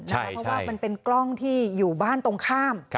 เพราะว่ามันเป็นกล้องที่อยู่บ้านตรงข้าม